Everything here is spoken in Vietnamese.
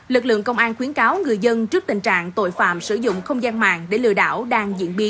lực lượng công an khuyến cáo người dân trước tình trạng tội phạm sử dụng không gian máy